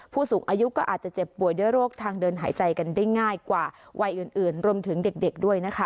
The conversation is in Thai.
ผู้สูงอายุก็อาจจะเจ็บป่วยด้วยโรคทางเดินหายใจกันได้ง่ายกว่าวัยอื่นรวมถึงเด็กด้วยนะคะ